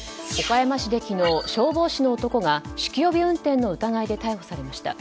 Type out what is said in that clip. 岡山市で昨日、消防士の男が酒気帯び運転の疑いで逮捕されました。